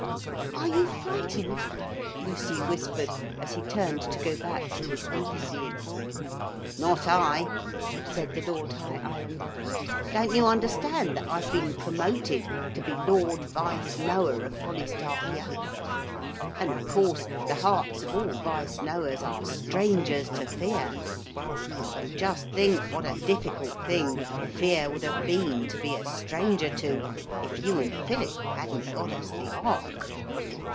'Are you frightened?' Lucy whispered, as he turned to go back to his overseeing. [Illustration: A long procession toiled slowly up it of animals in pairs.] 'Not I,' said the Lord High Islander. 'Don't you understand that I've been promoted to be Lord Vice Noah of Polistarchia? And of course the hearts of all Vice Noahs are strangers to fear. But just think what a difficult thing Fear would have been to be a stranger to if you and Philip hadn't got us the ark!'